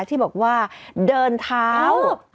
ที่บอกว่าเดินเท้า